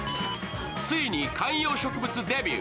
ついに観葉植物デビュー。